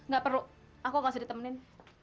gak perlu aku gak usah ditemenin